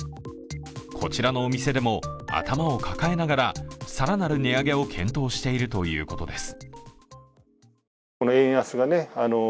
こちらのお店でも頭を抱えながら、更なる値上げを検討しているということです。